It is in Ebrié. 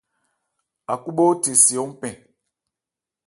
Ákhúbhɛ́óthe se hɔ́n pɛn.